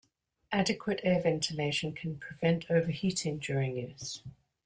Adequate air ventilation can prevent overheating during use.